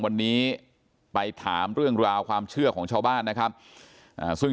วันนี้ไปถามเรื่องราวความเชื่อของชาวบ้านนะครับซึ่ง